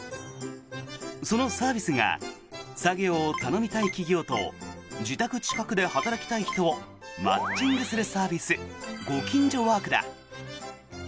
そのサービスが作業を頼みたい企業と自宅近くで働きたい人をマッチングするサービスご近所ワークだ。